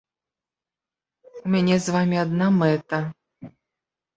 У мяне з вамі адна мэта.